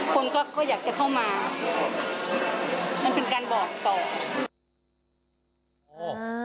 คนก็อยากจะเข้ามามันเป็นการบอกต่อ